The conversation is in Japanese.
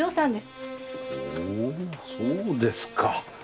ほうそうですか。